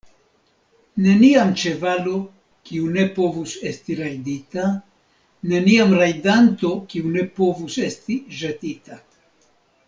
Neniam ĉevalo, kiu ne povus esti rajdita; neniam rajdanto, kiu ne povus esti ĵetita.